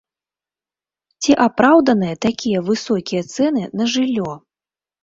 Ці апраўданыя такія высокія цэны на жыллё?